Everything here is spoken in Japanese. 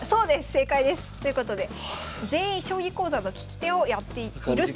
正解です！ということで全員将棋講座の聞き手をやっているということです。